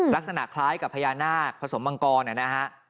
ลักษณะคล้ายกับพญานาคผสมมังกรนะฮะ